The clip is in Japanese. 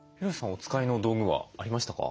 お使いの道具はありましたか？